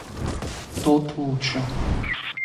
Тот лучше.